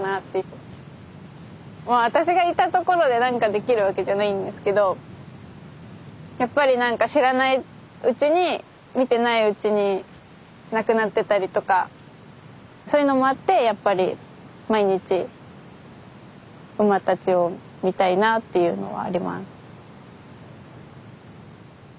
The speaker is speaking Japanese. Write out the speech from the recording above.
もう私がいたところでなんかできるわけじゃないんですけどやっぱりなんか知らないうちに見てないうちに亡くなってたりとかそういうのもあってやっぱり毎日馬たちを見たいなっていうのはあります。